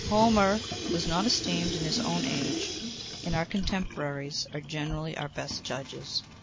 Homer was not esteemed in his own age, and our contemporaries are generally our best judges.